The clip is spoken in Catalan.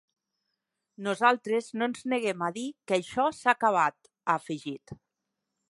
Nosaltres no ens neguem a dir que això s’ha acabat, ha afegit.